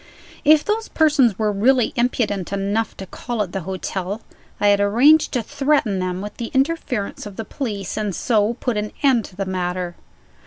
If those persons were really impudent enough to call at the hotel, I had arranged to threaten them with the interference of the police, and so to put an end to the matter.